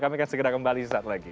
kami akan segera kembali sesaat lagi